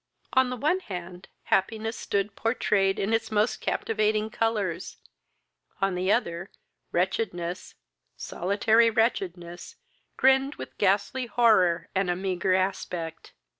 On the one hand, happiness stood pourtrayed in its most captivating colours; on the other, wretchedness, solitary wretchedness grinned with ghastly horror and meagre aspect.